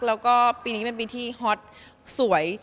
แล้วก็ปีนี้เป็นปีที่ฮอตสวย